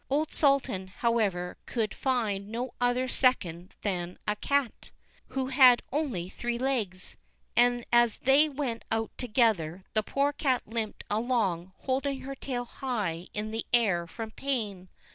Old Sultan, however, could find no other second than a cat, who had only three legs, and, as they went out together, the poor cat limped along, holding her tail high in the air from pain.